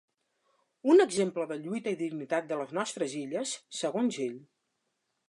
Un exemple de lluita i dignitat de les nostres illes, segons ell.